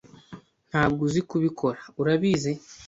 Ntabwo uzi kubikora, urabizi?